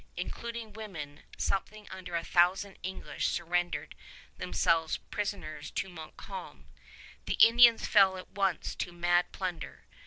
Including women, something under a thousand English surrendered themselves prisoners to Montcalm. The Indians fell at once to mad plunder.